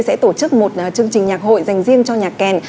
sẽ tổ chức một chương trình nhạc hội dành riêng cho nhà kèn